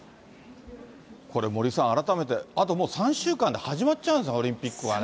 これ、森さん、改めて、あともう３週間で始まっちゃっうんですね、オリンピックはね。